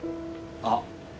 あっ！